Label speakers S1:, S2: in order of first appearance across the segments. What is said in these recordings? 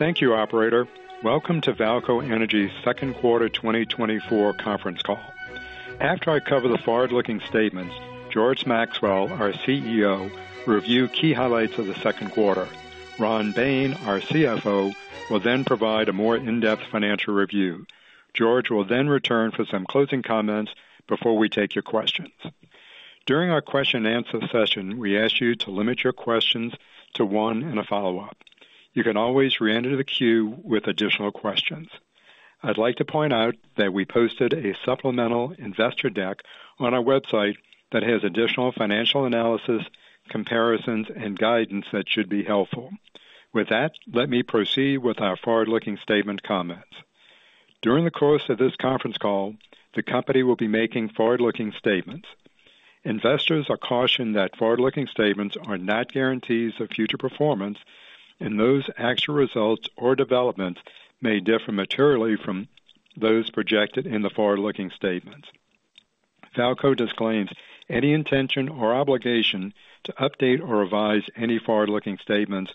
S1: Thank you, operator. Welcome to VAALCO Energy's second quarter 2024 conference call. After I cover the forward-looking statements, George Maxwell, our CEO, will review key highlights of the second quarter. Ron Bain, our CFO, will then provide a more in-depth financial review. George will then return for some closing comments before we take your questions. During our question and answer session, we ask you to limit your questions to one and a follow-up. You can always re-enter the queue with additional questions. I'd like to point out that we posted a supplemental investor deck on our website that has additional financial analysis, comparisons, and guidance that should be helpful. With that, let me proceed with our forward-looking statement comments. During the course of this conference call, the company will be making forward-looking statements. Investors are cautioned that forward-looking statements are not guarantees of future performance, and those actual results or developments may differ materially from those projected in the forward-looking statements. VAALCO disclaims any intention or obligation to update or revise any forward-looking statements,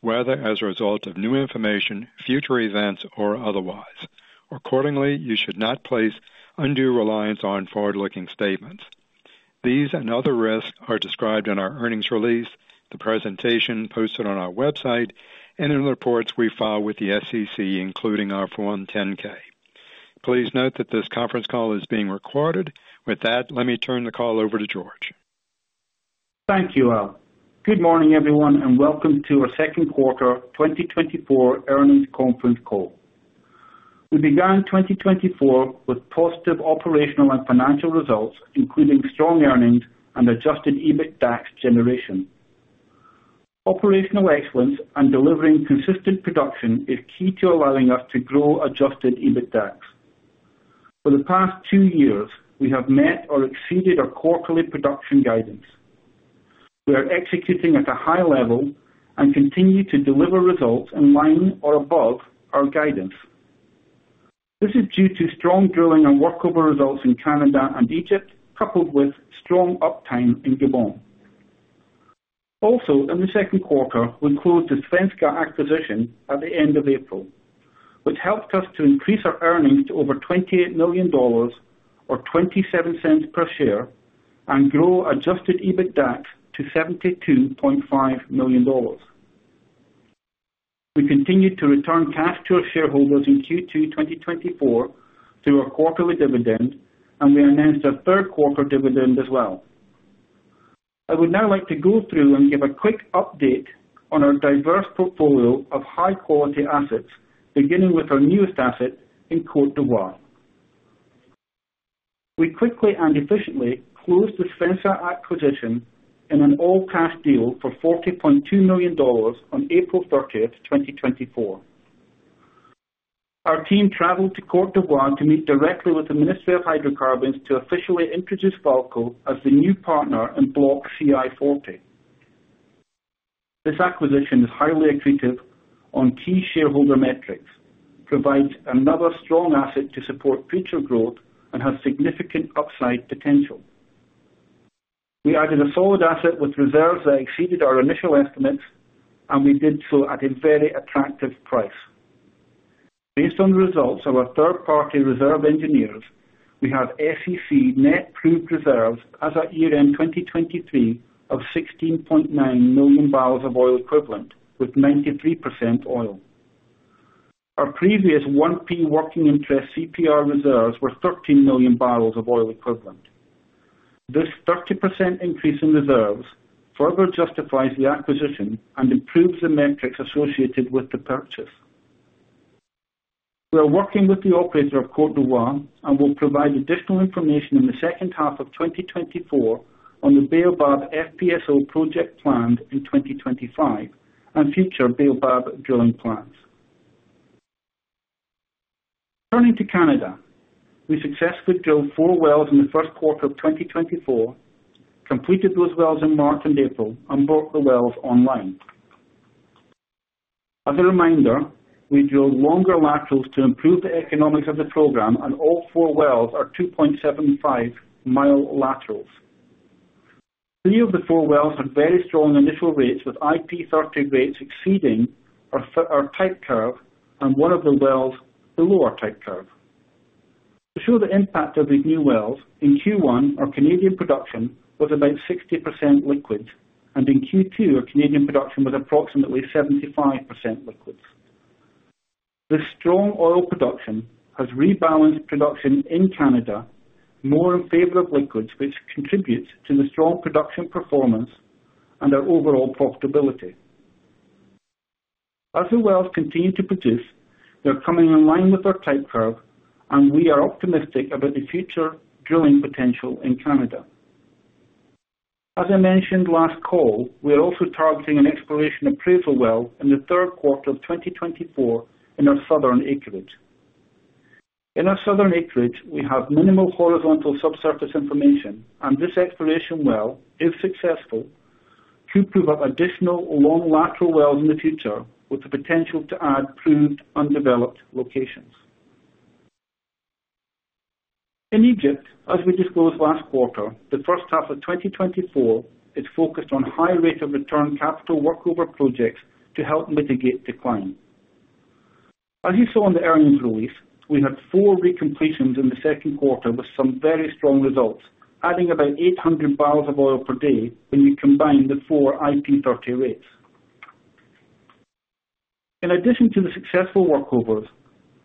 S1: whether as a result of new information, future events, or otherwise. Accordingly, you should not place undue reliance on forward-looking statements. These and other risks are described in our earnings release, the presentation posted on our website, and in reports we file with the SEC, including our Form 10-K. Please note that this conference call is being recorded. With that, let me turn the call over to George.
S2: Thank you, Al. Good morning, everyone, and welcome to our second quarter 2024 earnings conference call. We began 2024 with positive operational and financial results, including strong earnings and Adjusted EBITDAX generation. Operational excellence and delivering consistent production is key to allowing us to grow Adjusted EBITDAX. For the past two years, we have met or exceeded our quarterly production guidance. We are executing at a high level and continue to deliver results in line or above our guidance. This is due to strong drilling and workover results in Canada and Egypt, coupled with strong uptime in Gabon. Also, in the second quarter, we closed the Svenska acquisition at the end of April, which helped us to increase our earnings to over $28 million or $0.27 per share, and grow Adjusted EBITDAX to $72.5 million. We continued to return cash to our shareholders in Q2 2024 through our quarterly dividend, and we announced our third quarter dividend as well. I would now like to go through and give a quick update on our diverse portfolio of high-quality assets, beginning with our newest asset in Côte d'Ivoire. We quickly and efficiently closed the Svenska acquisition in an all-cash deal for $40.2 million on April 30, 2024. Our team traveled to Côte d'Ivoire to meet directly with the Ministry of Hydrocarbons to officially introduce VAALCO as the new partner in Block CI-40. This acquisition is highly accretive on key shareholder metrics, provides another strong asset to support future growth, and has significant upside potential. We added a solid asset with reserves that exceeded our initial estimates, and we did so at a very attractive price. Based on the results of our third-party reserve engineers, we have SEC net proved reserves as at year-end 2023 of 16.9 million barrels of oil equivalent, with 93% oil. Our previous 1P working interest CPR reserves were 13 million barrels of oil equivalent. This 30% increase in reserves further justifies the acquisition and improves the metrics associated with the purchase. We are working with the operator of Côte d'Ivoire and will provide additional information in the second half of 2024 on the Baobab FPSO project planned in 2025 and future Baobab drilling plans. Turning to Canada, we successfully drilled four wells in the first quarter of 2024, completed those wells in March and April, and brought the wells online. As a reminder, we drill longer laterals to improve the economics of the program, and all four wells are 2.75-mile laterals. Three of the four wells had very strong initial rates, with IP30 rates exceeding our type curve and one of the wells below our type curve. To show the impact of these new wells, in Q1, our Canadian production was about 60% liquids, and in Q2, our Canadian production was approximately 75% liquids. This strong oil production has rebalanced production in Canada more in favor of liquids, which contributes to the strong production performance and our overall profitability. As the wells continue to produce, they're coming in line with our type curve, and we are optimistic about the future drilling potential in Canada. As I mentioned last call, we are also targeting an exploration appraisal well in the third quarter of 2024 in our southern acreage. In our southern acreage, we have minimal horizontal subsurface information, and this exploration well, if successful, could prove up additional long lateral wells in the future with the potential to add proved undeveloped locations. In Egypt, as we disclosed last quarter, the first half of 2024 is focused on high rate of return capital workover projects to help mitigate decline. As you saw in the earnings release, we had four recompletions in the second quarter with some very strong results, adding about 800 barrels of oil per day when you combine the four IP30 rates. In addition to the successful workovers,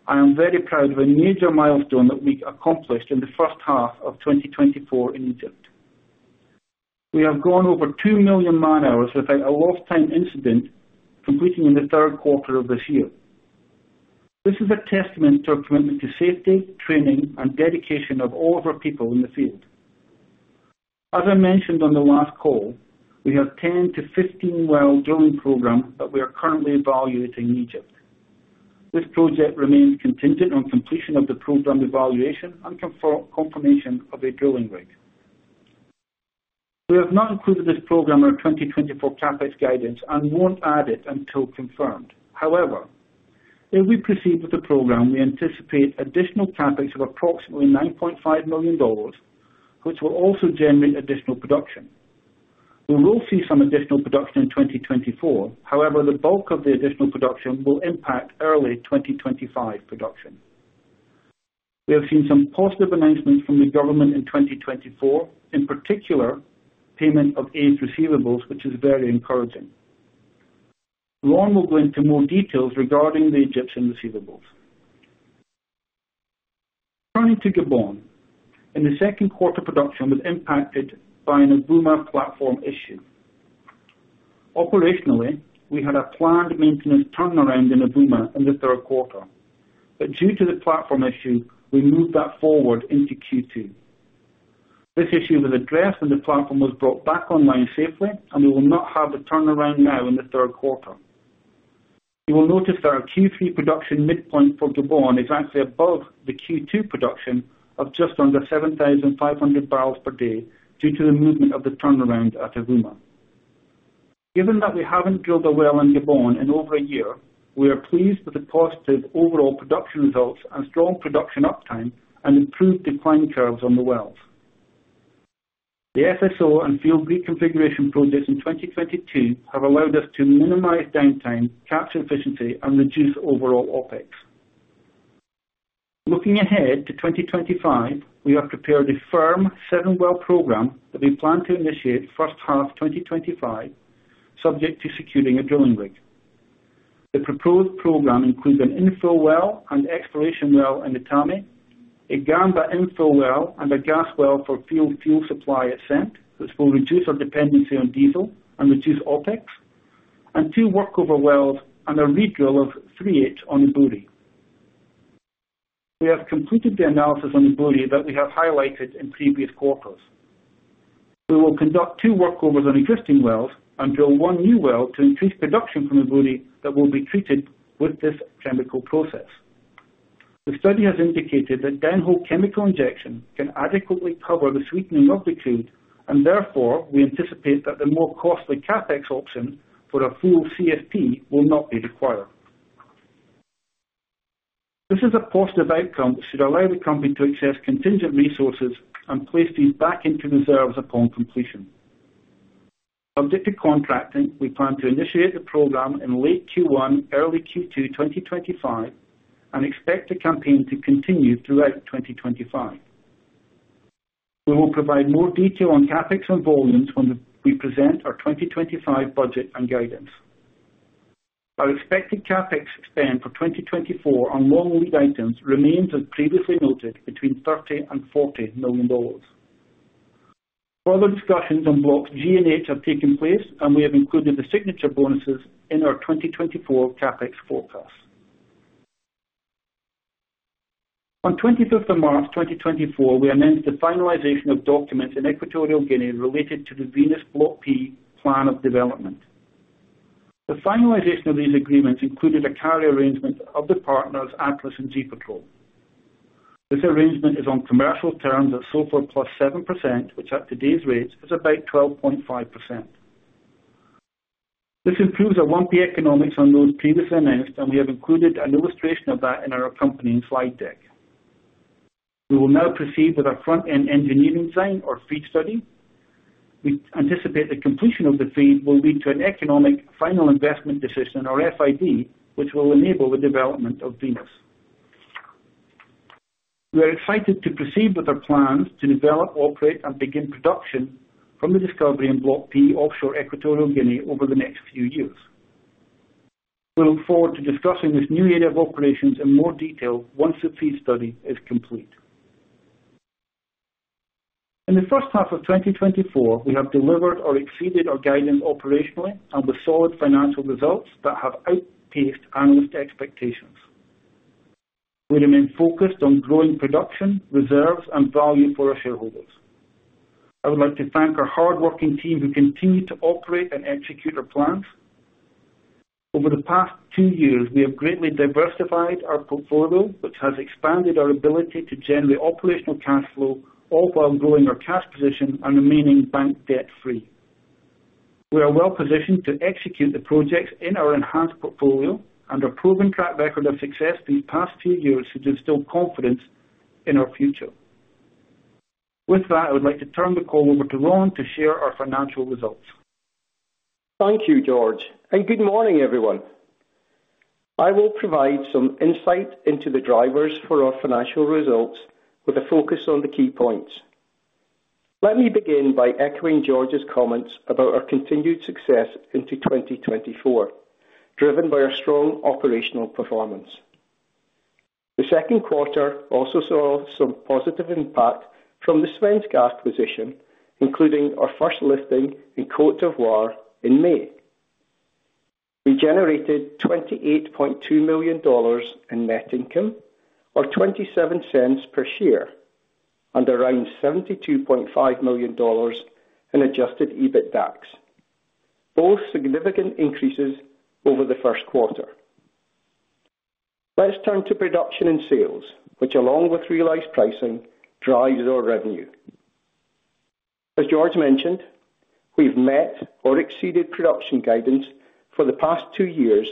S2: I am very proud of a major milestone that we accomplished in the first half of 2024 in Egypt. We have gone over 2 million man-hours without a lost time incident, completing in the third quarter of this year. This is a testament to our commitment to safety, training, and dedication of all of our people in the field. As I mentioned on the last call, we have 10-15 well drilling program that we are currently evaluating in Egypt. This project remains contingent on completion of the program evaluation and confirmation of a drilling rig. We have not included this program in our 2024 CapEx guidance and won't add it until confirmed. However, if we proceed with the program, we anticipate additional CapEx of approximately $9.5 million, which will also generate additional production. We will see some additional production in 2024, however, the bulk of the additional production will impact early 2025 production. We have seen some positive announcements from the government in 2024, in particular, payment of AR receivables, which is very encouraging. Ron will go into more details regarding the Egyptian receivables. Turning to Gabon, in the second quarter, production was impacted by an Ebouri platform issue. Operationally, we had a planned maintenance turnaround in Ebouri in the third quarter, but due to the platform issue, we moved that forward into Q2. This issue was addressed when the platform was brought back online safely, and we will not have the turnaround now in the third quarter. You will notice that our Q3 production midpoint for Gabon is actually above the Q2 production of just under 7,500 barrels per day due to the movement of the turnaround at Ebouri. Given that we haven't drilled a well in Gabon in over a year, we are pleased with the positive overall production results and strong production uptime and improved decline curves on the wells. The FSO and field reconfiguration projects in 2022 have allowed us to minimize downtime, capture efficiency and reduce overall OpEx. Looking ahead to 2025, we have prepared a firm 7-well program that we plan to initiate first half 2025, subject to securing a drilling rig. The proposed program includes an infill well and exploration well in Etame, a Gamba infill well and a gas well for field fuel supply system, which will reduce our dependency on diesel and reduce OpEx, and 2 workover wells and a redrill of 3H on Ebouri. We have completed the analysis on Ebouri that we have highlighted in previous quarters. We will conduct 2 workovers on existing wells and drill 1 new well to increase production from Ebouri that will be treated with this chemical process. The study has indicated that downhole chemical injection can adequately cover the sweetening of the crude, and therefore, we anticipate that the more costly CapEx option for a full CSP will not be required. This is a positive outcome that should allow the company to access contingent resources and place these back into reserves upon completion. Subject to contracting, we plan to initiate the program in late Q1, early Q2 2025, and expect the campaign to continue throughout 2025. We will provide more detail on CapEx involvement when we present our 2025 budget and guidance. Our expected CapEx spend for 2024 on long lead items remains, as previously noted, between $30 million and $40 million. Further discussions on Blocks G and H have taken place, and we have included the signature bonuses in our 2024 CapEx forecast. On the 25th of March, 2024, we announced the finalization of documents in Equatorial Guinea related to the Venus Block P plan of development. The finalization of these agreements included a carry arrangement of the partners, Atlas and GEPetrol. This arrangement is on commercial terms of SOFR plus 7%, which at today's rates is about 12.5%. This improves our 1P economics on those previously announced, and we have included an illustration of that in our accompanying slide deck. We will now proceed with our front-end engineering design or FEED study. We anticipate the completion of the FEED will lead to an economic final investment decision or FID, which will enable the development of Venus. We are excited to proceed with our plans to develop, operate, and begin production from the discovery in Block P, offshore Equatorial Guinea over the next few years. We look forward to discussing this new area of operations in more detail once the FEED study is complete. In the first half of 2024, we have delivered or exceeded our guidance operationally and with solid financial results that have outpaced analyst expectations. We remain focused on growing production, reserves, and value for our shareholders. I would like to thank our hardworking team who continue to operate and execute our plans. Over the past two years, we have greatly diversified our portfolio, which has expanded our ability to generate operational cash flow, all while growing our cash position and remaining bank debt-free. We are well positioned to execute the projects in our enhanced portfolio and our proven track record of success these past two years should instill confidence in our future. With that, I would like to turn the call over to Ron to share our financial results.
S3: Thank you, George, and good morning, everyone. I will provide some insight into the drivers for our financial results with a focus on the key points. Let me begin by echoing George's comments about our continued success into 2024, driven by our strong operational performance. The second quarter also saw some positive impact from the Svenska acquisition, including our first lifting in Côte d'Ivoire in May. We generated $28.2 million in net income, or $0.27 per share, and around $72.5 million in adjusted EBITDAX, both significant increases over the first quarter. Let us turn to production and sales, which, along with realized pricing, drives our revenue. As George mentioned, we've met or exceeded production guidance for the past two years,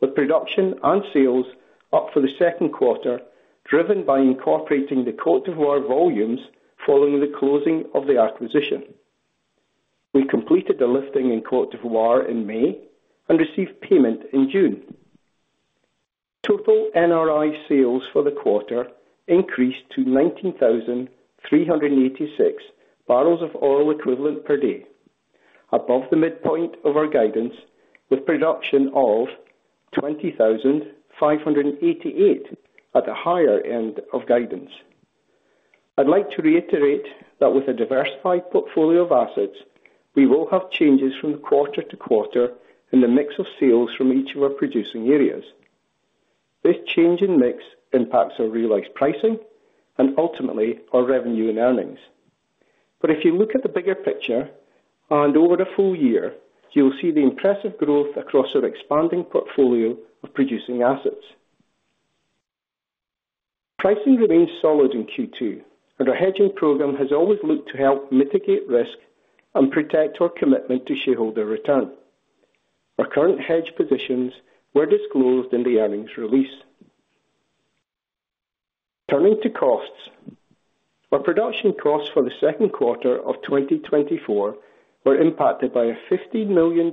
S3: with production and sales up for the second quarter, driven by incorporating the Côte d'Ivoire volumes following the closing of the acquisition. We completed the lifting in Côte d'Ivoire in May and received payment in June. Total NRI sales for the quarter increased to 19,386 barrels of oil equivalent per day, above the midpoint of our guidance, with production of 20,588 at the higher end of guidance. I'd like to reiterate that with a diversified portfolio of assets, we will have changes from quarter to quarter in the mix of sales from each of our producing areas. This change in mix impacts our realized pricing and ultimately our revenue and earnings. But if you look at the bigger picture and over the full year, you'll see the impressive growth across our expanding portfolio of producing assets. Pricing remains solid in Q2, and our hedging program has always looked to help mitigate risk and protect our commitment to shareholder return. Our current hedge positions were disclosed in the earnings release. Turning to costs. Our production costs for the second quarter of 2024 were impacted by a $50 million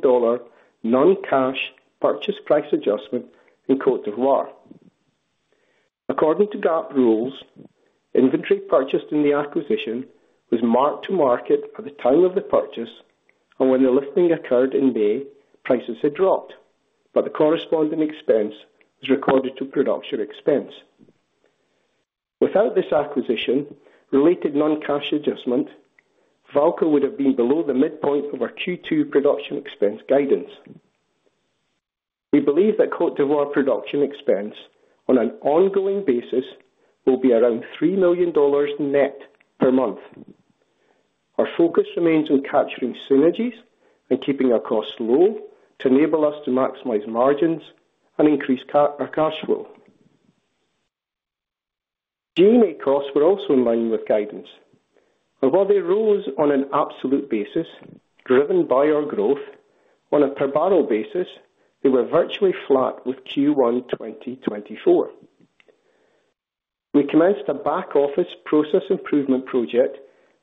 S3: non-cash purchase price adjustment in Côte d'Ivoire. According to GAAP rules, inventory purchased in the acquisition was marked to market at the time of the purchase, and when the lifting occurred in May, prices had dropped, but the corresponding expense was recorded to production expense. Without this acquisition-related non-cash adjustment, VAALCO would have been below the midpoint of our Q2 production expense guidance. We believe that Côte d'Ivoire production expense on an ongoing basis will be around $3 million net per month. Our focus remains on capturing synergies and keeping our costs low to enable us to maximize margins and increase our cash flow. G&A costs were also in line with guidance, and while they rose on an absolute basis, driven by our growth, on a per barrel basis, they were virtually flat with Q1 2024. We commenced a back-office process improvement project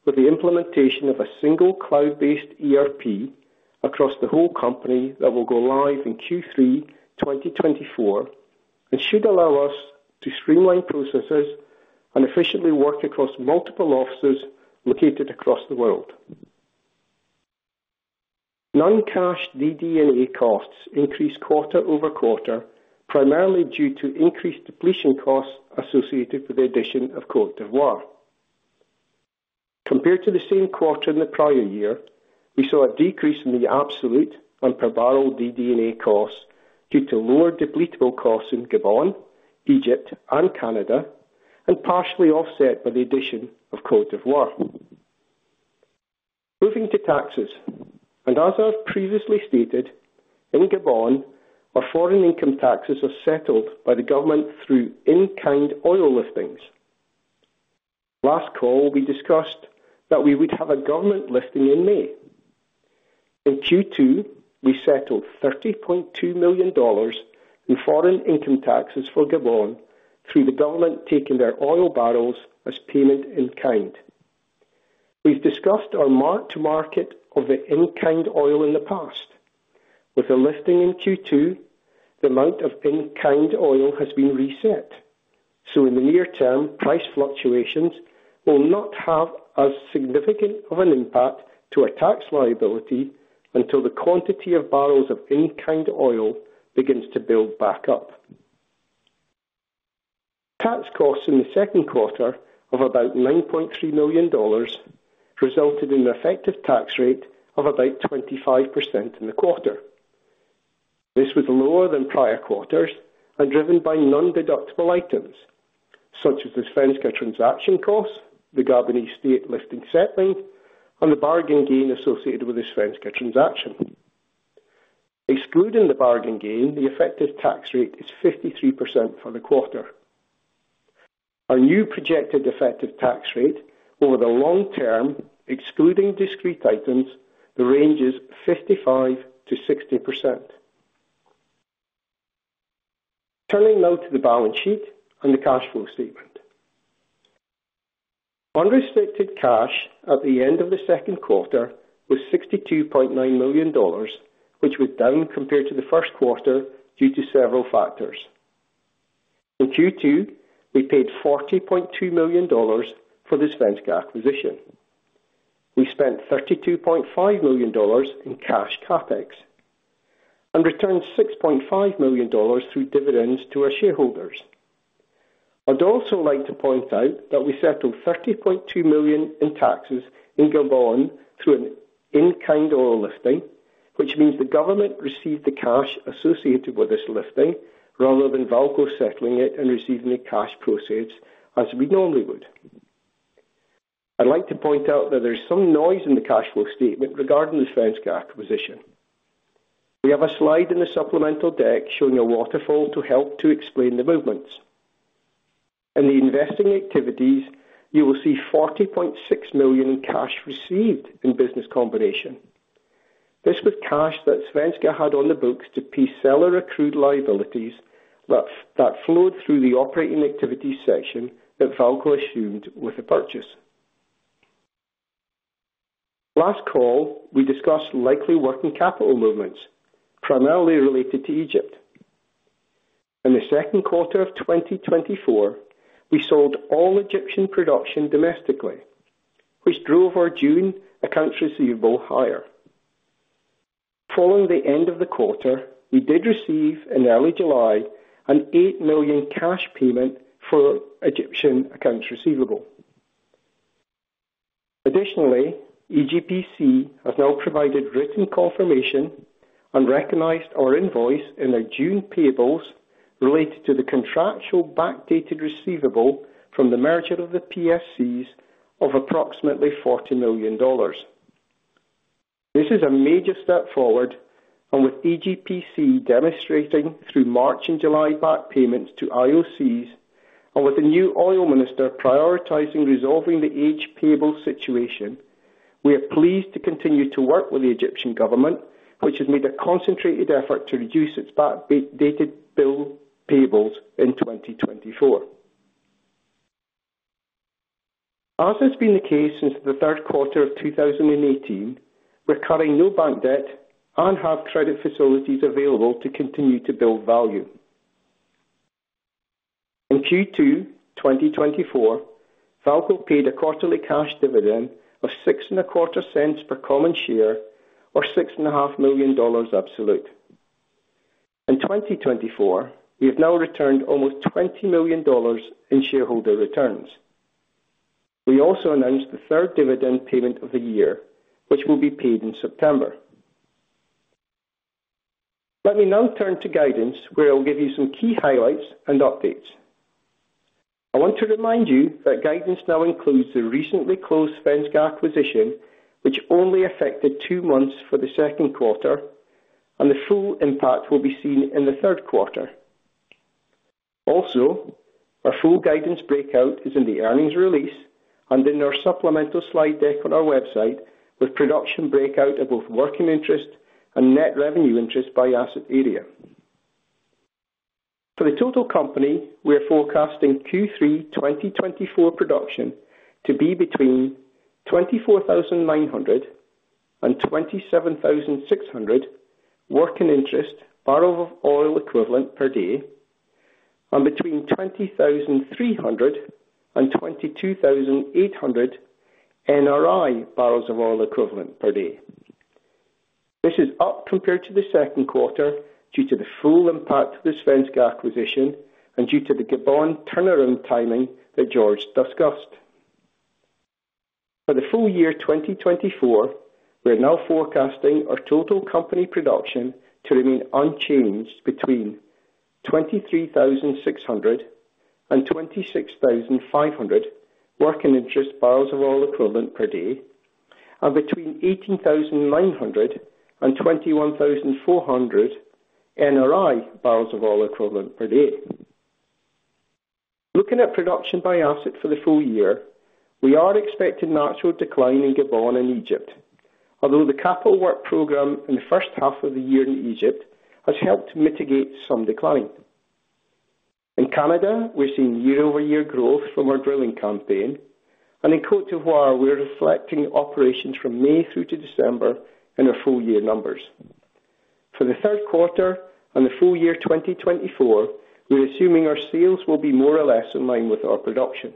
S3: with the implementation of a single cloud-based ERP across the whole company that will go live in Q3 2024, and should allow us to streamline processes and efficiently work across multiple offices located across the world. Non-cash DD&A costs increased quarter-over-quarter, primarily due to increased depletion costs associated with the addition of Côte d'Ivoire. Compared to the same quarter in the prior year, we saw a decrease in the absolute and per barrel DD&A costs due to lower depletable costs in Gabon, Egypt, and Canada, and partially offset by the addition of Côte d'Ivoire. Moving to taxes, and as I've previously stated, in Gabon, our foreign income taxes are settled by the government through in-kind oil liftings. Last call, we discussed that we would have a government lifting in May. In Q2, we settled $30.2 million in foreign income taxes for Gabon through the government taking their oil barrels as payment in kind. We've discussed our mark to market of the in-kind oil in the past. With the lifting in Q2, the amount of in-kind oil has been reset, so in the near term, price fluctuations will not have as significant of an impact to our tax liability until the quantity of barrels of in-kind oil begins to build back up. Tax costs in the second quarter of about $9.3 million resulted in an effective tax rate of about 25% in the quarter. This was lower than prior quarters and driven by nondeductible items such as the Svenska transaction costs, the Gabonese state lifting settling, and the bargain gain associated with the Svenska transaction. Excluding the bargain gain, the effective tax rate is 53% for the quarter. Our new projected effective tax rate over the long term, excluding discrete items, ranges 55%-60%. Turning now to the balance sheet and the cash flow statement. Unrestricted cash at the end of the second quarter was $62.9 million, which was down compared to the first quarter due to several factors. In Q2, we paid $40.2 million for the Svenska acquisition. We spent $32.5 million in cash CapEx, and returned $6.5 million through dividends to our shareholders. I'd also like to point out that we settled $30.2 million in taxes in Gabon through an in-kind oil lifting, which means the government received the cash associated with this lifting, rather than VAALCO settling it and receiving the cash proceeds as we normally would. I'd like to point out that there's some noise in the cash flow statement regarding the Svenska acquisition. We have a slide in the supplemental deck showing a waterfall to help to explain the movements. In the investing activities, you will see $40.6 million in cash received in business combination. This was cash that Svenska had on the books for prepaid or accrued liabilities, that flowed through the operating activities section that VAALCO assumed with the purchase. Last call, we discussed likely working capital movements, primarily related to Egypt. In the second quarter of 2024, we sold all Egyptian production domestically, which drove our June accounts receivable higher. Following the end of the quarter, we did receive in early July an $8 million cash payment for Egyptian accounts receivable. Additionally, EGPC has now provided written confirmation and recognized our invoice in their June payables related to the contractual backdated receivable from the merger of the PSCs of approximately $40 million. This is a major step forward and with EGPC demonstrating through March and July back payments to IOCs, and with the new oil minister prioritizing resolving the aged payable situation, we are pleased to continue to work with the Egyptian government, which has made a concentrated effort to reduce its backdated bill payables in 2024. As has been the case since the third quarter of 2018, we're carrying no bank debt and have credit facilities available to continue to build value. In Q2 2024, VAALCO paid a quarterly cash dividend of $0.0625 per common share, or $6.5 million absolute. In 2024, we have now returned almost $20 million in shareholder returns. We also announced the third dividend payment of the year, which will be paid in September. Let me now turn to guidance, where I'll give you some key highlights and updates. I want to remind you that guidance now includes the recently closed Svenska acquisition, which only affected two months for the second quarter, and the full impact will be seen in the third quarter. Also, our full guidance breakout is in the earnings release and in our supplemental slide deck on our website, with production breakout of both working interest and net revenue interest by asset area. For the total company, we are forecasting Q3 2024 production to be between 24,900 and 27,600 working interest barrels of oil equivalent per day, and between 20,300 and 22,800 NRI barrels of oil equivalent per day. This is up compared to the second quarter due to the full impact of the Svenska acquisition and due to the Gabon turnaround timing that George discussed. For the full year 2024, we are now forecasting our total company production to remain unchanged between 23,600 and 26,500 working interest barrels of oil equivalent per day, and between 18,900 and 21,400 NRI barrels of oil equivalent per day. Looking at production by asset for the full year, we are expecting natural decline in Gabon and Egypt, although the capital work program in the first half of the year in Egypt has helped mitigate some decline. In Canada, we're seeing year-over-year growth from our drilling campaign, and in Côte d'Ivoire, we're reflecting operations from May through to December in our full year numbers. For the third quarter and the full year 2024, we're assuming our sales will be more or less in line with our production.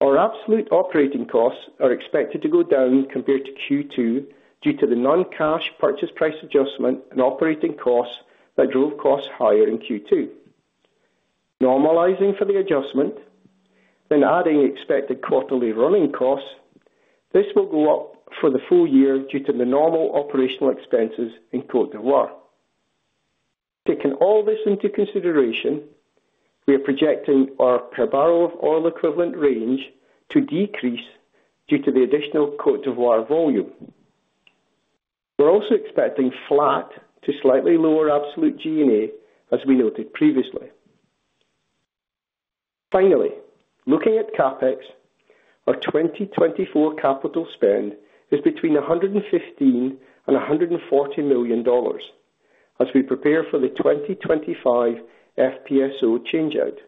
S3: Our absolute operating costs are expected to go down compared to Q2, due to the non-cash purchase price adjustment and operating costs that drove costs higher in Q2. Normalizing for the adjustment, then adding expected quarterly running costs, this will go up for the full year due to the normal operational expenses in Côte d'Ivoire. Taking all this into consideration, we are projecting our per barrel of oil equivalent range to decrease due to the additional Côte d'Ivoire volume. We're also expecting flat to slightly lower absolute G&A, as we noted previously. Finally, looking at CapEx, our 2024 capital spend is between $115 million and $140 million as we prepare for the 2025 FPSO change out,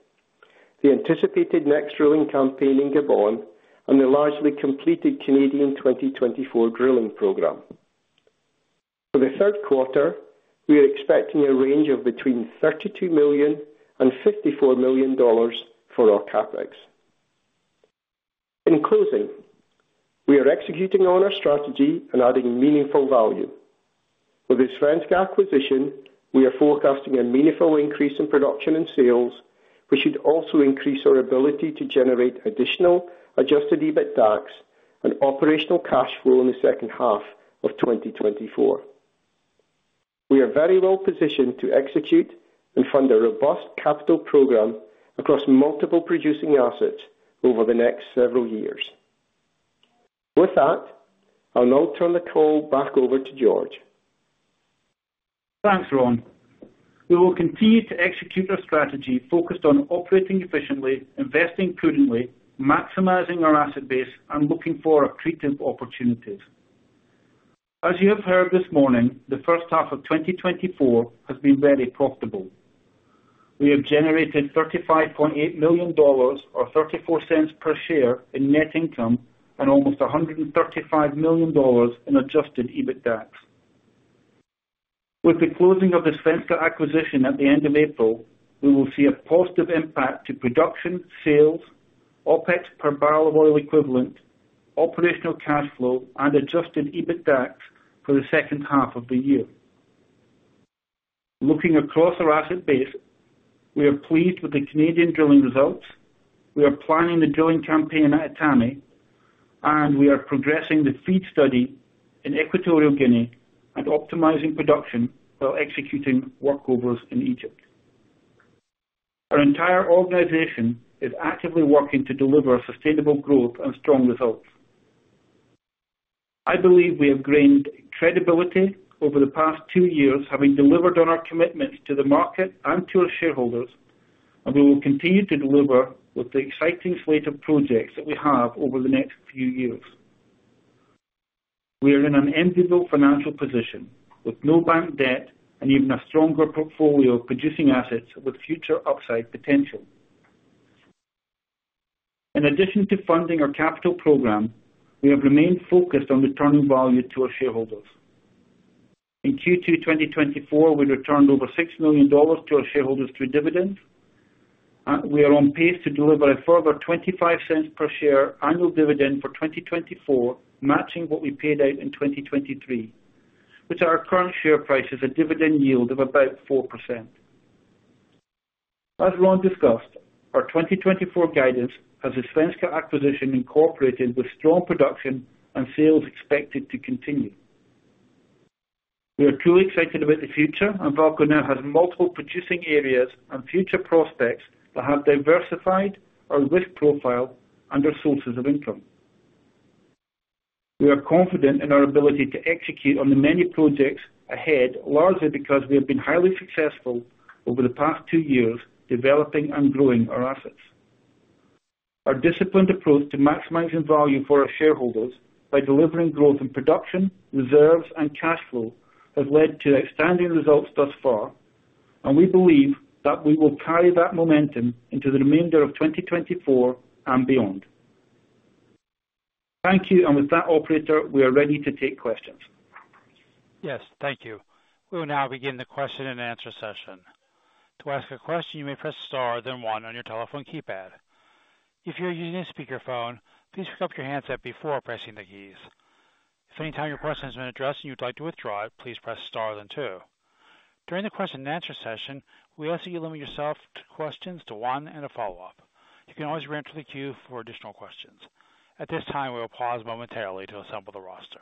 S3: the anticipated next drilling campaign in Gabon, and the largely completed Canadian 2024 drilling program. For the third quarter, we are expecting a range of between $32 million and $54 million for our CapEx. In closing, we are executing on our strategy and adding meaningful value. With the Svenska acquisition, we are forecasting a meaningful increase in production and sales, which should also increase our ability to generate additional adjusted EBITDAX and operational cash flow in the second half of 2024. We are very well positioned to execute and fund a robust capital program across multiple producing assets over the next several years. With that, I'll now turn the call back over to George.
S2: Thanks, Ron. We will continue to execute our strategy focused on operating efficiently, investing prudently, maximizing our asset base, and looking for accretive opportunities. As you have heard this morning, the first half of 2024 has been very profitable. We have generated $35.8 million, or $0.34 per share in net income, and almost $135 million in adjusted EBITDAX. With the closing of the Svenska acquisition at the end of April, we will see a positive impact to production, sales, OpEx per barrel of oil equivalent, operational cash flow, and adjusted EBITDAX for the second half of the year. Looking across our asset base, we are pleased with the Canadian drilling results. We are planning the drilling campaign at Etame, and we are progressing the FEED study in Equatorial Guinea and optimizing production while executing workovers in Egypt. Our entire organization is actively working to deliver sustainable growth and strong results. I believe we have gained credibility over the past 2 years, having delivered on our commitments to the market and to our shareholders, and we will continue to deliver with the exciting slate of projects that we have over the next few years. We are in an enviable financial position with no bank debt and even a stronger portfolio of producing assets with future upside potential. In addition to funding our capital program, we have remained focused on returning value to our shareholders. In Q2 2024, we returned over $6 million to our shareholders through dividends. We are on pace to deliver a further $0.25 per share annual dividend for 2024, matching what we paid out in 2023, which our current share price is a dividend yield of about 4%. As Ron discussed, our 2024 guidance has the Svenska acquisition incorporated with strong production and sales expected to continue. We are truly excited about the future, and VAALCO now has multiple producing areas and future prospects that have diversified our risk profile and our sources of income. We are confident in our ability to execute on the many projects ahead, largely because we have been highly successful over the past two years, developing and growing our assets. Our disciplined approach to maximizing value for our shareholders by delivering growth in production, reserves, and cash flow has led to outstanding results thus far, and we believe that we will carry that momentum into the remainder of 2024 and beyond. Thank you, and with that operator, we are ready to take questions.
S4: Yes, thank you. We will now begin the question and answer session. To ask a question, you may press star, then one on your telephone keypad. If you're using a speakerphone, please pick up your handset before pressing the keys. If any time your question has been addressed and you'd like to withdraw it, please press star then two. During the question and answer session, we ask that you limit yourself to questions to one and a follow-up. You can always reenter the queue for additional questions. At this time, we will pause momentarily to assemble the roster.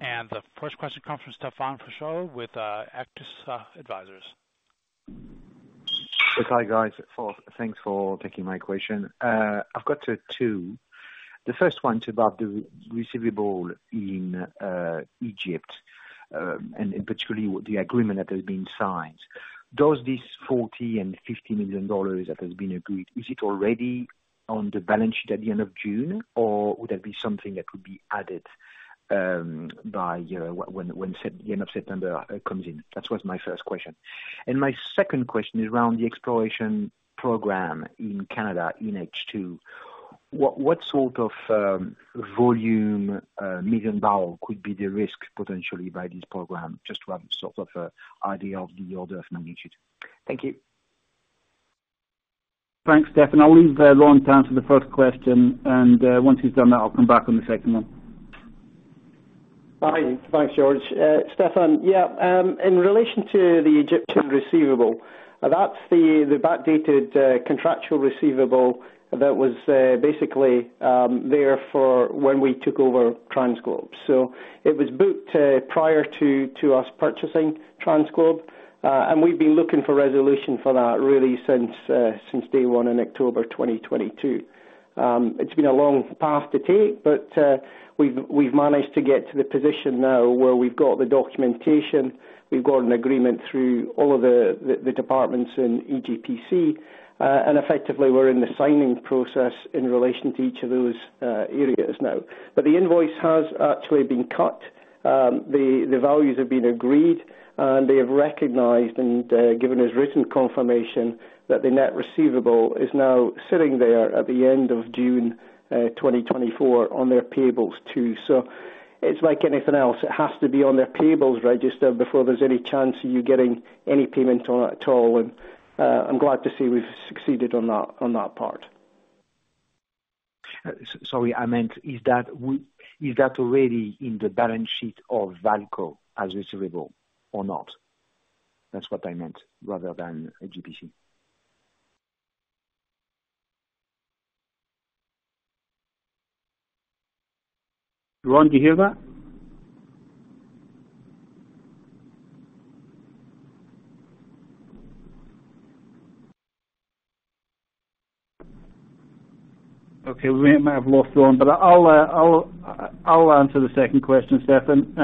S4: The first question comes from Stephane Foucaud with Auctus Advisors.
S5: Hi, guys. Thanks for taking my question. I've got two. The first one is about the receivable in Egypt, and particularly with the agreement that has been signed. Does this $40-$50 million that has been agreed, is it already on the balance sheet at the end of June, or would that be something that would be added by when the end of September comes in? That was my first question. My second question is around the exploration program in Canada in H2. What sort of volume million barrel could be the risk potentially by this program? Just to have sort of an idea of the order of magnitude. Thank you.
S2: Thanks, Stephane. I'll leave Ron to answer the first question, and once he's done that, I'll come back on the second one.
S3: Hi. Thanks, George. Stephane, yeah, in relation to the Egyptian receivable, that's the backdated contractual receivable that was basically there for when we took over TransGlobe. So it was booked prior to us purchasing TransGlobe, and we've been looking for resolution for that really since day one in October 2022. It's been a long path to take, but we've managed to get to the position now where we've got the documentation, we've got an agreement through all of the departments in EGPC, and effectively, we're in the signing process in relation to each of those areas now. But the invoice has actually been cut. The values have been agreed, and they have recognized and given us written confirmation that the net receivable is now sitting there at the end of June 2024 on their payables too. So it's like anything else, it has to be on their payables register before there's any chance of you getting any payment on it at all. And I'm glad to see we've succeeded on that, on that part.
S5: Sorry, I meant is that already in the balance sheet of VAALCO as receivable or not? That's what I meant, rather than EGPC.
S2: Ron, do you hear that? Okay, we may have lost Ron, but I'll answer the second question, Stephane.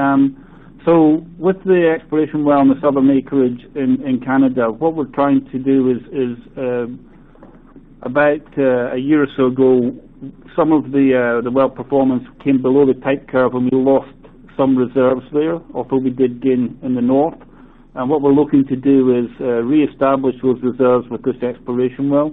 S2: So with the exploration well in the southern acreage in Canada, what we're trying to do is about a year or so ago, some of the well performance came below the type curve, and we lost some reserves there, although we did gain in the north. And what we're looking to do is reestablish those reserves with this exploration well.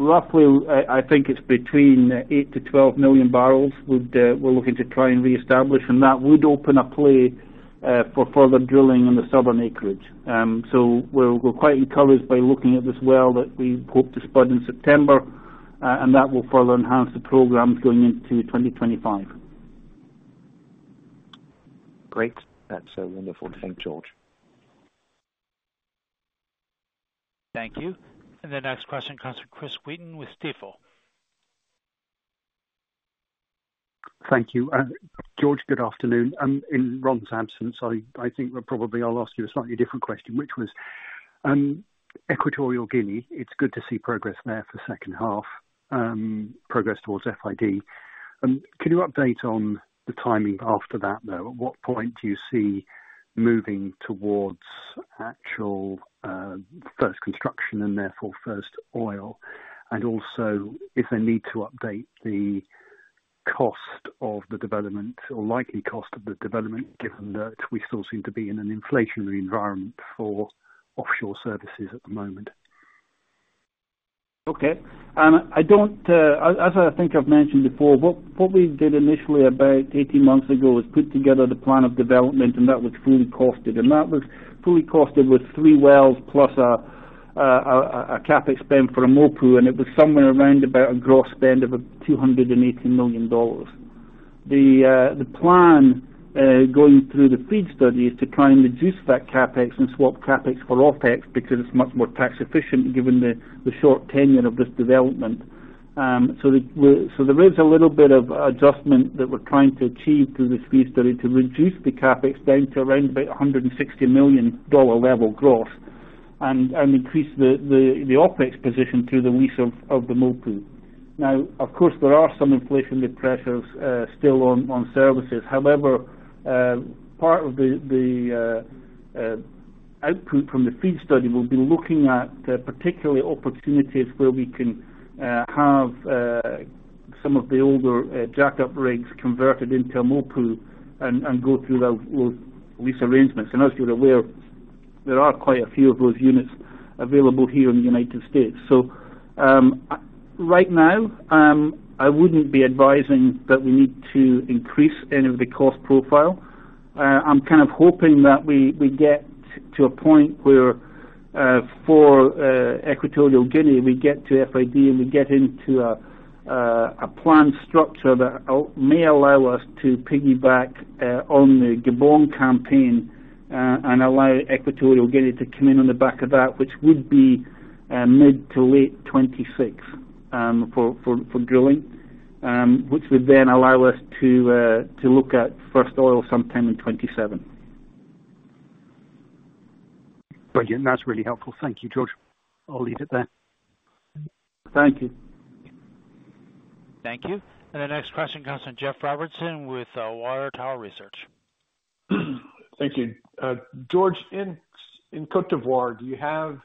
S2: Roughly, I think it's between 8 to 12 million barrels we're looking to try and reestablish, and that would open a play for further drilling on the southern acreage. We're quite encouraged by looking at this well that we hope to spud in September, and that will further enhance the programs going into 2025.
S5: Great. That's wonderful. Thanks, George.
S4: Thank you. The next question comes from Chris Wheaton with Stifel.
S6: Thank you. George, good afternoon. In Ron's absence, I think that probably I'll ask you a slightly different question, which was, Equatorial Guinea, it's good to see progress there for the second half, progress towards FID. Can you update on the timing after that, though? At what point do you see moving towards actual first construction and therefore first oil? And also, if I need to update the cost of the development or likely cost of the development, given that we still seem to be in an inflationary environment for offshore services at the moment.
S2: Okay. As I think I've mentioned before, what we did initially about 18 months ago was put together the plan of development, and that was fully costed. That was fully costed with 3 wells, plus a CapEx spend for a MOPU, and it was somewhere around about a gross spend of about $280 million. The plan going through the FEED study is to try and reduce that CapEx and swap CapEx for OpEx, because it's much more tax efficient, given the short tenure of this development. So there is a little bit of adjustment that we're trying to achieve through this FEED study to reduce the CapEx down to around about $160 million level gross and increase the OpEx position through the lease of the MOPU. Now, of course, there are some inflationary pressures still on services. However, part of the output from the FEED study will be looking at particularly opportunities where we can have some of the older jackup rigs converted into MOPU and go through the lease arrangements. And as you're aware, there are quite a few of those units available here in the United States. So right now, I wouldn't be advising that we need to increase any of the cost profile. I'm kind of hoping that we get to a point where for Equatorial Guinea, we get to FID, and we get into a planned structure that may allow us to piggyback on the Gabon campaign, and allow Equatorial Guinea to come in on the back of that, which would be mid- to late 2026 for drilling. Which would then allow us to look at first oil sometime in 2027.
S6: Brilliant. That's really helpful. Thank you, George. I'll leave it there.
S2: Thank you.
S4: Thank you. The next question comes from Jeff Robertson with Water Tower Research.
S7: Thank you. George, in Côte d'Ivoire, do you have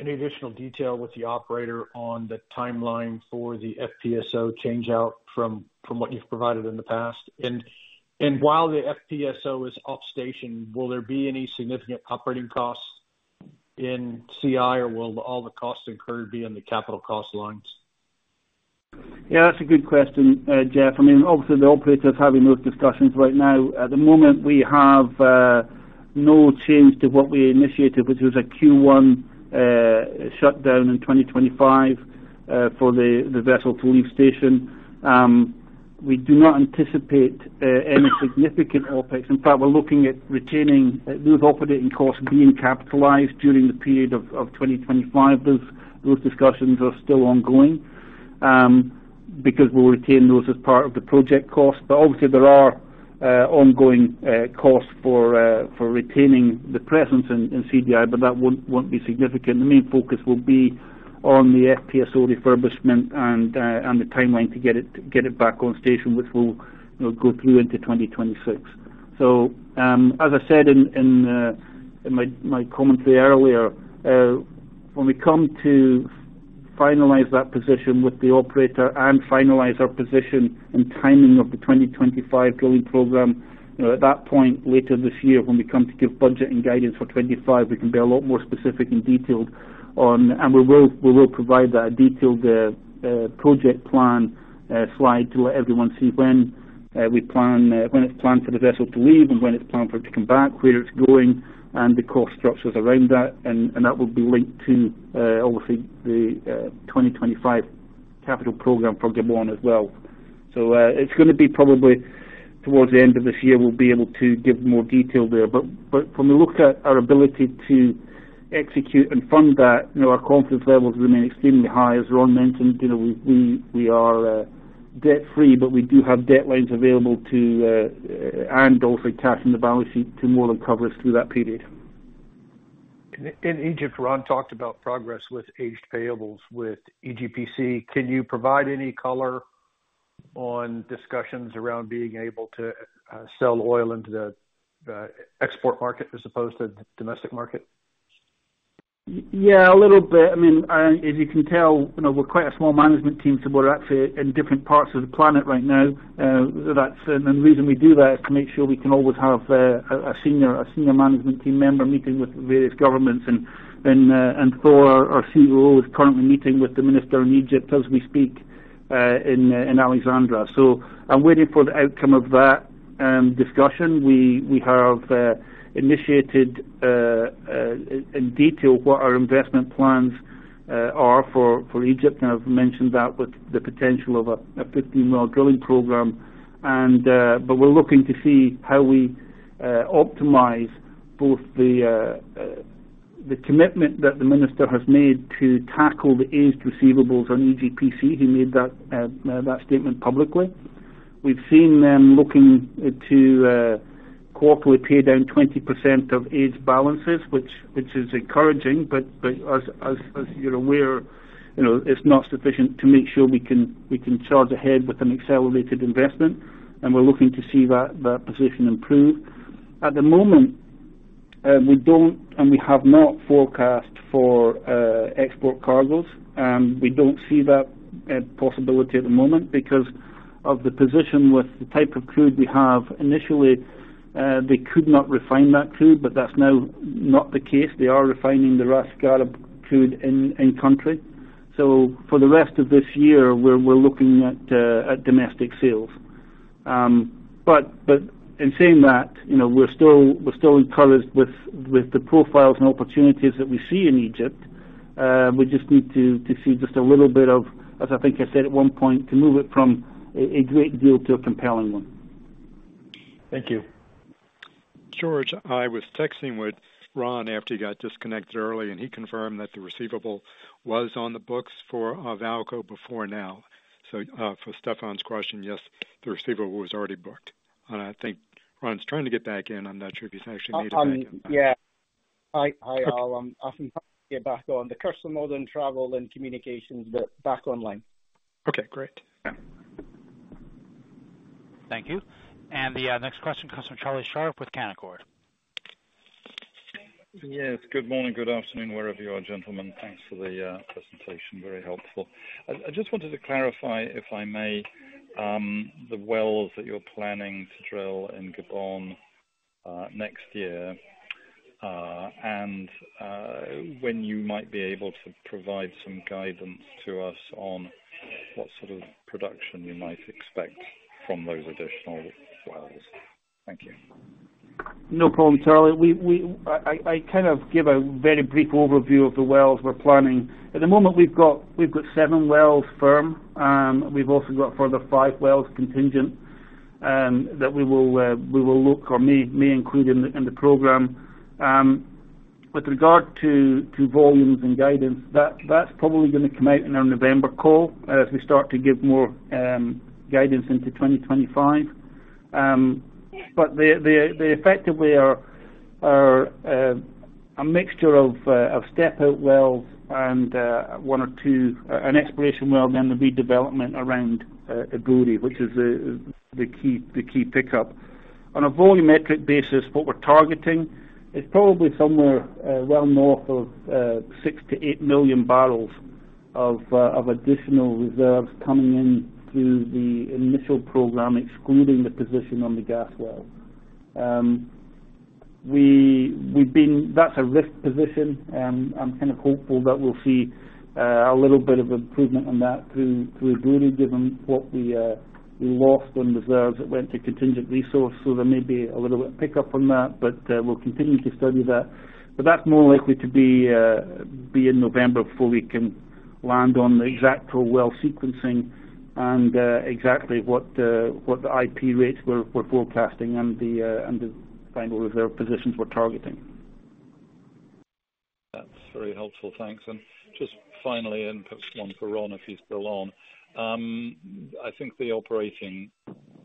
S7: any additional detail with the operator on the timeline for the FPSO change-out from what you've provided in the past? While the FPSO is off station, will there be any significant operating costs in CI, or will all the costs incurred be in the capital cost lines?
S2: Yeah, that's a good question, Jeff. I mean, obviously, the operator is having those discussions right now. At the moment, we have no change to what we initiated, which was a Q1 shutdown in 2025 for the vessel to leave station. We do not anticipate any significant OpEx. In fact, we're looking at retaining those operating costs being capitalized during the period of 2025. Those discussions are still ongoing because we'll retain those as part of the project cost. But obviously, there are ongoing costs for retaining the presence in CDI, but that won't be significant. The main focus will be on the FPSO refurbishment and the timeline to get it, get it back on station, which will, you know, go through into 2026. So, as I said in my commentary earlier, when we come to finalize that position with the operator and finalize our position and timing of the 2025 drilling program, you know, at that point later this year, when we come to give budget and guidance for 2025, we can be a lot more specific and detailed on. And we will provide that detailed project plan slide to let everyone see when we plan when it's planned for the vessel to leave, and when it's planned for it to come back, where it's going, and the cost structures around that. And that will be linked to, obviously, the 2025 capital program for Gabon as well. So, it's gonna be probably towards the end of this year, we'll be able to give more detail there. But when we look at our ability to execute and fund that, you know, our confidence levels remain extremely high. As Ron mentioned, you know, we are debt-free, but we do have debt lines available to, and also cash on the balance sheet to more than cover us through that period.
S7: In Egypt, Ron talked about progress with aged payables with EGPC. Can you provide any color on discussions around being able to sell oil into the export market as opposed to the domestic market?
S2: Yeah, a little bit. I mean, as you can tell, you know, we're quite a small management team, so we're actually in different parts of the planet right now. The reason we do that is to make sure we can always have a senior management team member meeting with various governments. Thor, our COO, is currently meeting with the minister in Egypt as we speak, in Alexandria. So I'm waiting for the outcome of that discussion. We have initiated in detail what our investment plans are for Egypt, and I've mentioned that with the potential of a 15-well drilling program. But we're looking to see how we optimize both the commitment that the minister has made to tackle the aged receivables on EGPC. He made that statement publicly. We've seen them looking to quarterly pay down 20% of aged balances, which is encouraging, but as you're aware, you know, it's not sufficient to make sure we can charge ahead with an accelerated investment, and we're looking to see that position improve. At the moment, we don't and we have not forecast for export cargoes, and we don't see that possibility at the moment because of the position with the type of crude we have. Initially, they could not refine that crude, but that's now not the case. They are refining the Ras Gharib crude in-country. So for the rest of this year, we're looking at domestic sales. But in saying that, you know, we're still encouraged with the profiles and opportunities that we see in Egypt. We just need to see just a little bit of, as I think I said at one point, to move it from a great deal to a compelling one.
S7: Thank you.
S1: George, I was texting with Ron after he got disconnected early, and he confirmed that the receivable was on the books for VAALCO before now. So, for Stephane's question, yes, the receivable was already booked. And I think Ron's trying to get back in. I'm not sure if he's actually made it back in.
S3: Yeah. Hi. Hi, all. I'm often get back on. The curse of modern travel and communications, but back online.
S1: Okay, great.
S4: Thank you. The next question comes from Charlie Sharp with Canaccord.
S8: Yes, good morning, good afternoon, wherever you are, gentlemen. Thanks for the presentation. Very helpful. I just wanted to clarify, if I may, the wells that you're planning to drill in Gabon next year, and when you might be able to provide some guidance to us on what sort of production you might expect from those additional wells. Thank you.
S2: No problem, Charlie. We kind of give a very brief overview of the wells we're planning. At the moment, we've got seven wells firm. We've also got further five wells contingent that we will look or may include in the program. With regard to volumes and guidance, that's probably gonna come out in our November call as we start to give more guidance into 2025. But they effectively are a mixture of step-out wells and one or two an exploration well, and then the redevelopment around Ebouri, which is the key pickup. On a volumetric basis, what we're targeting is probably somewhere, well north of, 6-8 million barrels of additional reserves coming in through the initial program, excluding the position on the gas well. That's a risk position, I'm kind of hopeful that we'll see a little bit of improvement on that through Ebouri, given what we lost on reserves that went to contingent resource. So there may be a little bit of pickup on that, but we'll continue to study that. But that's more likely to be in November before we can land on the exact pro well sequencing and exactly what the IP rates we're forecasting and the final reserve positions we're targeting.
S8: That's very helpful. Thanks. And just finally, one for Ron, if he's still on. I think the operating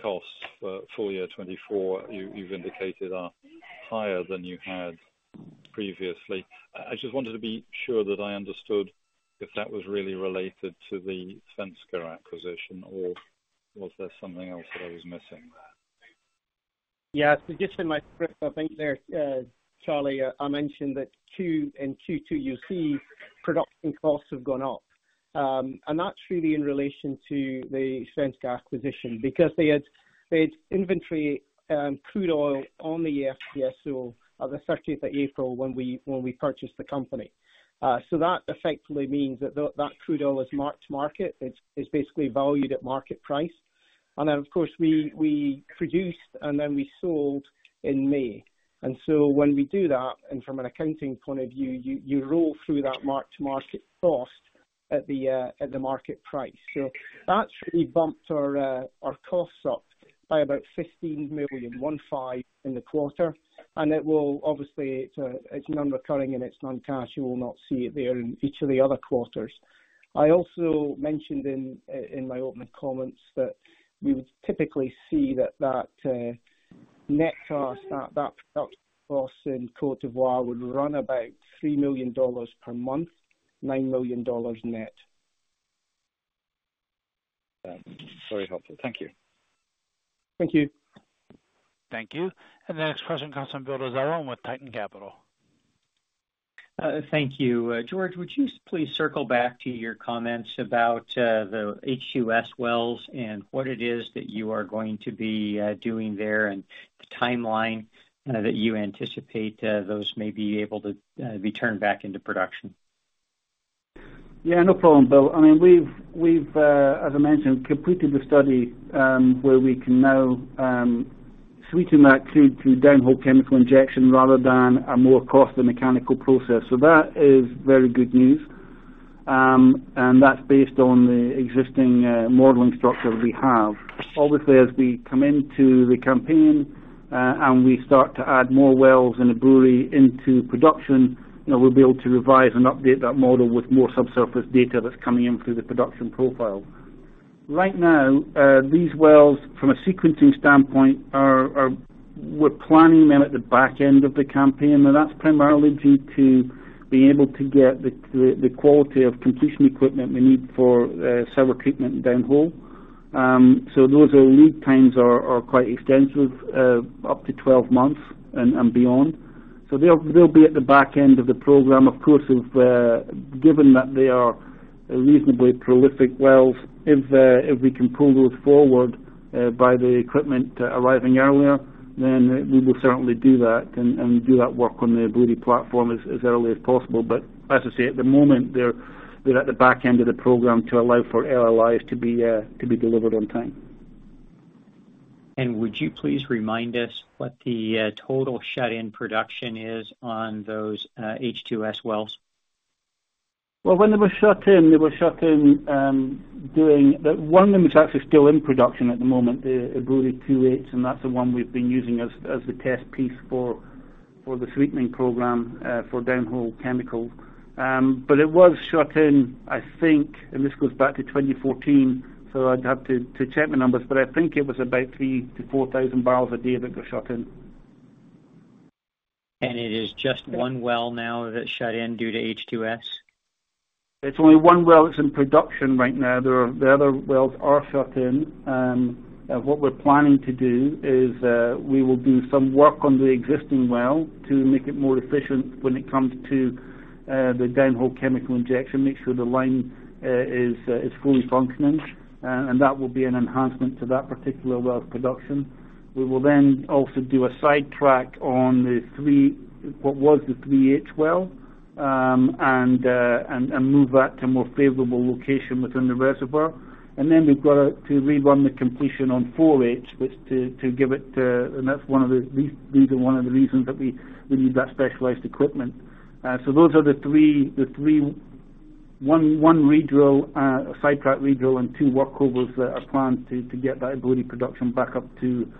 S8: costs for full year 2024, you, you've indicated, are higher than you had previously. I just wanted to be sure that I understood if that was really related to the Svenska acquisition, or was there something else that I was missing there?
S3: Yeah, just in my script, I think there, Charlie, I mentioned that Q1 and Q2, you see production costs have gone up. And that's really in relation to the Svenska acquisition because they had inventory, crude oil on the FPSO on the thirtieth of April, when we purchased the company. So that effectively means that the, that crude oil is marked to market. It's basically valued at market price. And then, of course, we produced, and then we sold in May. And so when we do that, and from an accounting point of view, you roll through that mark-to-market cost at the market price. So that's really bumped our costs up by about $15 million in the quarter, and it will obviously, it's non-recurring and it's non-cash. You will not see it there in each of the other quarters. I also mentioned in my opening comments that we would typically see that net cost, that production cost in Côte d'Ivoire would run about $3 million per month, $9 million net.
S8: Very helpful. Thank you.
S3: Thank you.
S4: Thank you. And the next question comes from Bill Dezellem with Tieton Capital Management.
S9: Thank you. George, would you please circle back to your comments about the H2S wells and what it is that you are going to be doing there, and the timeline that you anticipate those may be able to be turned back into production?
S2: Yeah, no problem, Bill. I mean, we've, as I mentioned, completed the study where we can now sweeten that crude through downhole chemical injection rather than a more costly mechanical process. So that is very good news. And that's based on the existing modeling structure we have. Obviously, as we come into the campaign and we start to add more wells in Ebouri into production, you know, we'll be able to revise and update that model with more subsurface data that's coming in through the production profile. Right now, these wells, from a sequencing standpoint, are. We're planning them at the back end of the campaign, and that's primarily due to being able to get the quality of completion equipment we need for several treatment downhole. So those lead times are quite extensive, up to 12 months and beyond. So they'll be at the back end of the program. Of course, given that they are reasonably prolific wells, if we can pull those forward by the equipment arriving earlier, then we will certainly do that and do that work on the Ebouri platform as early as possible. But as I say, at the moment, they're at the back end of the program to allow for LLIs to be delivered on time.
S9: Would you please remind us what the total shut-in production is on those H2S wells?
S2: Well, when they were shut in, one of them is actually still in production at the moment, the Ebouri 2H, and that's the one we've been using as the test piece for the sweetening program for downhole chemicals. But it was shut in, I think, and this goes back to 2014, so I'd have to check my numbers, but I think it was about 3,000-4,000 barrels a day that got shut in.
S9: It is just one well now that's shut in due to H2S?
S2: It's only one well that's in production right now. The other wells are shut in. And what we're planning to do is, we will do some work on the existing well to make it more efficient when it comes to the downhole chemical injection, make sure the line is fully functioning, and that will be an enhancement to that particular well's production. We will then also do a sidetrack on the 3, what was the 3H well, and move that to a more favorable location within the reservoir. And then we've got to rerun the completion on 4H, which to give it, and that's one of the reasons that we need that specialized equipment. So those are the three, the three. 1 redrill, 1 sidetrack redrill, and 2 workovers that are planned to get that Ebouri production back up to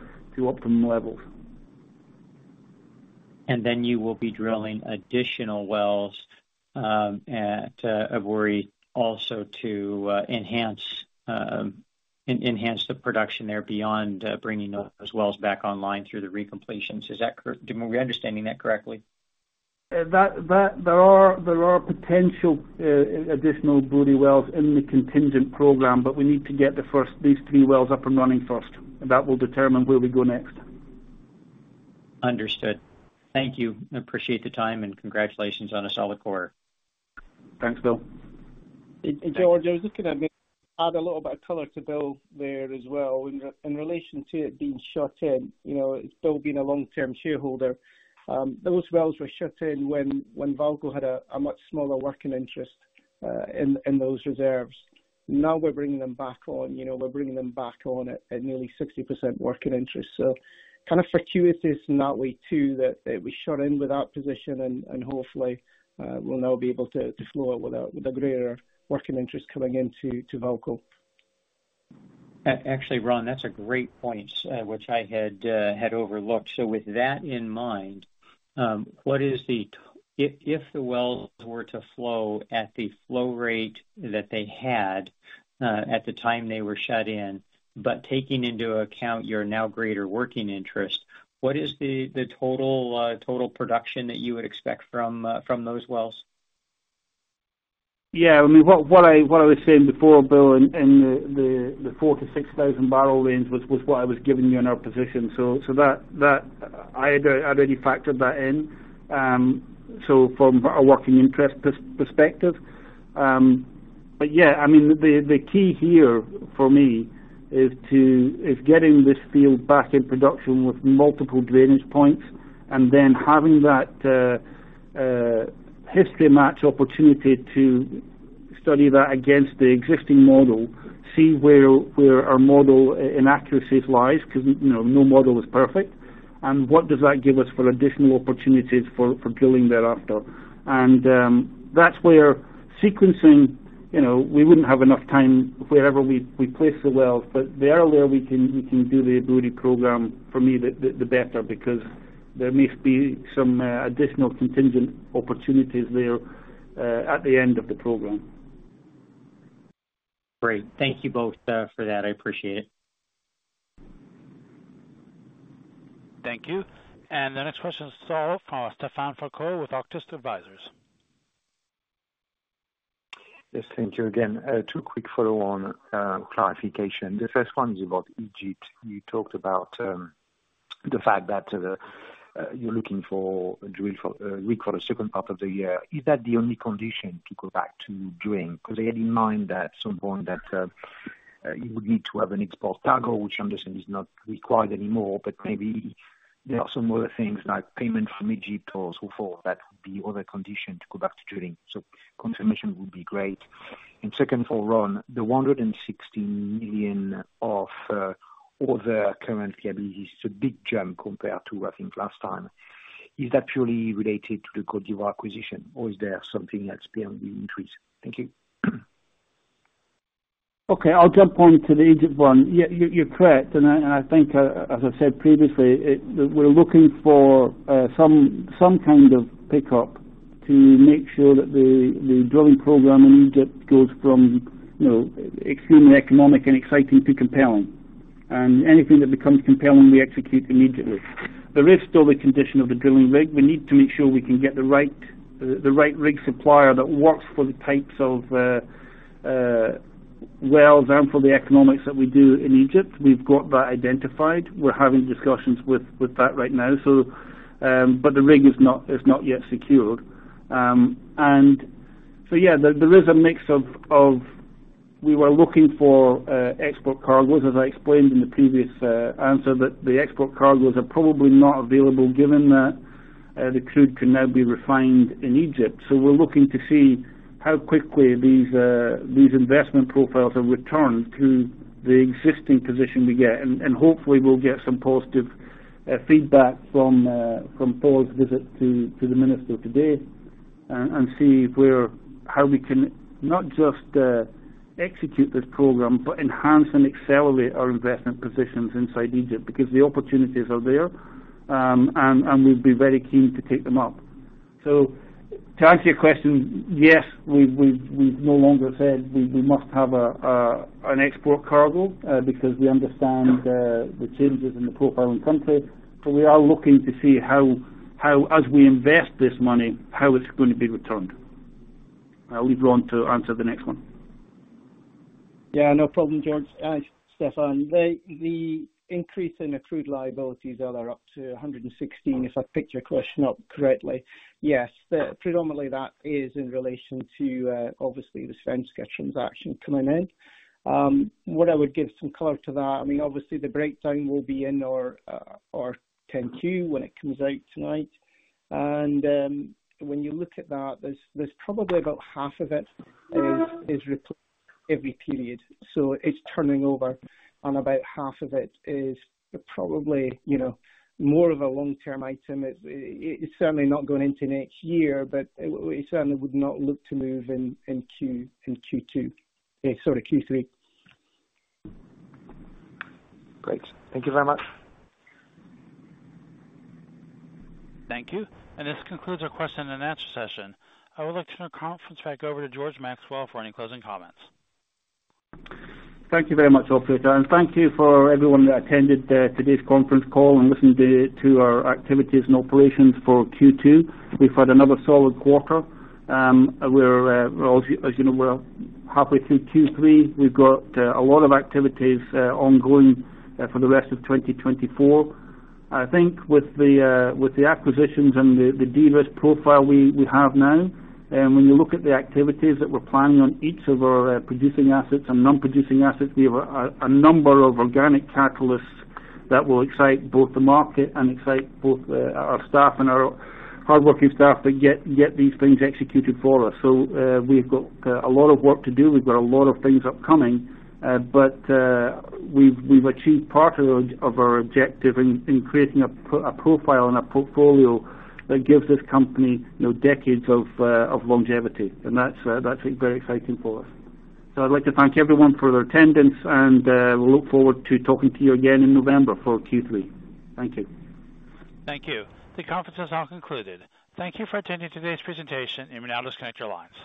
S2: optimum levels.
S9: And then you will be drilling additional wells at Ebouri, also to enhance the production there beyond bringing those wells back online through the recompletions. Is that correct? Am I understanding that correctly?
S2: That there are potential additional Ebouri wells in the contingent program, but we need to get the first these three wells up and running first, and that will determine where we go next.
S9: Understood. Thank you. I appreciate the time, and congratulations on a solid quarter.
S2: Thanks, Bill.
S3: George, I was just gonna maybe add a little bit of color to Bill there as well. In relation to it being shut in, you know, with Bill being a long-term shareholder, those wells were shut in when VAALCO had a much smaller working interest in those reserves. Now we're bringing them back on, you know, we're bringing them back on at nearly 60% working interest. So kind of fortuitous in that way, too, that we shut in with that position, and hopefully, we'll now be able to flow it with a greater working interest coming into VAALCO.
S9: Actually, Ron, that's a great point, which I had overlooked. So with that in mind, what is the—if the wells were to flow at the flow rate that they had at the time they were shut in, but taking into account your now greater working interest, what is the total production that you would expect from those wells?
S2: Yeah, I mean, what I was saying before, Bill, in the 4,000-6,000 barrel range was what I was giving you on our position. So that I had, I'd already factored that in. So from a working interest perspective, but yeah, I mean, the key here for me is to, is getting this field back in production with multiple drainage points, and then having that history match opportunity to study that against the existing model, see where our model inaccuracies lie, because, you know, no model is perfect, and what does that give us for additional opportunities for drilling thereafter? That's where sequencing, you know, we wouldn't have enough time wherever we place the wells, but the earlier we can do the Ebouri program, for me, the better, because there may be some additional contingent opportunities there at the end of the program.
S9: Great. Thank you both for that. I appreciate it.
S4: Thank you. The next question is from Stephane Foucaud with Auctus Advisors.
S5: Yes, thank you again. 2 quick follow-on clarifications. The first one is about Egypt. You talked about the fact that you're looking for a drilling rig for the second half of the year. Is that the only condition to go back to drilling? Because I had in mind that at some point that you would need to have an export cargo, which I understand is not required anymore, but maybe there are some other things like payment from Egypt or so forth, that would be other condition to go back to drilling. So confirmation would be great. And second, for Ron, the $116 million of other current liabilities is a big jump compared to, I think, last time. Is that purely related to the Côte d'Ivoire acquisition, or is there something that's beyond the increase? Thank you.
S2: Okay, I'll jump on to the Egypt one. Yeah, you're correct, and I think, as I said previously, we're looking for some kind of pickup to make sure that the drilling program in Egypt goes from, you know, extremely economic and exciting to compelling. And anything that becomes compelling, we execute immediately. There is still the condition of the drilling rig. We need to make sure we can get the right rig supplier that works for the types of wells and for the economics that we do in Egypt. We've got that identified. We're having discussions with that right now, so but the rig is not yet secured. And so, yeah, there is a mix of- We were looking for export cargoes, as I explained in the previous answer, but the export cargoes are probably not available given that the crude can now be refined in Egypt. So we're looking to see how quickly these investment profiles are returned to the existing position we get, and hopefully we'll get some positive feedback from Thor's visit to the minister today, and see how we can not just execute this program, but enhance and accelerate our investment positions inside Egypt, because the opportunities are there, and we'd be very keen to take them up. So to answer your question, yes, we've no longer said we must have an export cargo because we understand the changes in the profile and country. But we are looking to see how, as we invest this money, how it's going to be returned. I'll leave Ron to answer the next one.
S3: Yeah, no problem, George, Stephane. The increase in accrued liabilities that are up to 116, if I picked your question up correctly, yes. Predominantly, that is in relation to, obviously, the Svenska transaction coming in. What I would give some color to that, I mean, obviously, the breakdown will be in our 10-Q when it comes out tonight. And when you look at that, there's probably about half of it is every period, so it's turning over, and about half of it is probably, you know, more of a long-term item. It's certainly not going into next year, but we certainly would not look to move in Q2. Sorry, Q3.
S5: Great. Thank you very much.
S4: Thank you. This concludes our question and answer session. I would like to turn the conference back over to George Maxwell for any closing comments.
S2: Thank you very much, operator. Thank you for everyone that attended today's conference call and listened to our activities and operations for Q2. We've had another solid quarter. Well, as you know, we're halfway through Q3. We've got a lot of activities ongoing for the rest of 2024. I think with the acquisitions and the de-risk profile we have now, when you look at the activities that we're planning on each of our producing assets and non-producing assets, we have a number of organic catalysts that will excite both the market and excite both our staff and our hardworking staff to get these things executed for us. So, we've got a lot of work to do. We've got a lot of things upcoming, but we've achieved part of our objective in creating a profile and a portfolio that gives this company, you know, decades of longevity, and that's very exciting for us. So I'd like to thank everyone for their attendance, and we look forward to talking to you again in November for Q3. Thank you.
S4: Thank you. The conference has now concluded. Thank you for attending today's presentation. You may now disconnect your lines.